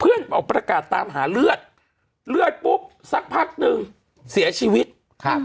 ออกประกาศตามหาเลือดเลือดปุ๊บสักพักหนึ่งเสียชีวิตครับ